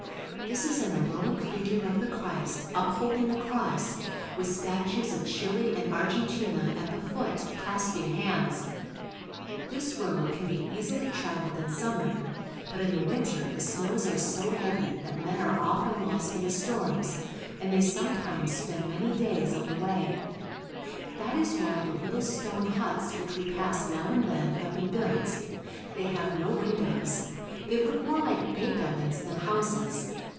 This is an heroic figure of the Christ uphold ing the Cross with statues of Chile and Argentina at the foot clasping hands. This road can be easily traveled in summer, but in the winter the snows are so heavy that men are often lost in the storms and they sometimes spend many days on the way. CARP. S. AM. — 8 I20 CHILE. That is why the little stone huts which we pass now and then have been built. They have no windows. They look more like bake ovens than houses.